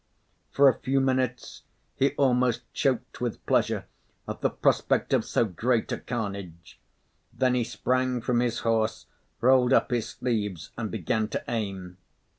For a few minutes, he almost choked with pleasure at the prospect of so great a carnage. Then he sprang from his horse, rolled up his sleeves, and began to aim.